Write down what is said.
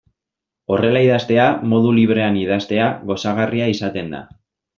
Horrela idaztea, modu librean idaztea, gozagarria izaten da.